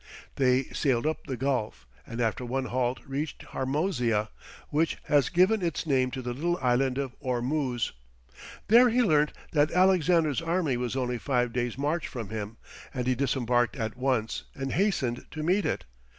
They sailed up the gulf, and after one halt reached Harmozia, which has since given its name to the little island of Ormuz. There he learnt that Alexander's army was only five days' march from him, and he disembarked at once, and hastened to meet it.